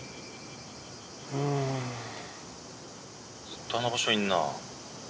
ずっとあの場所にいんな。